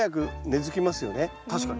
確かに。